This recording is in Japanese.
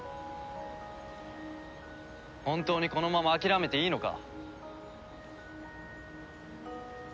本当にこのまま諦めていいのか？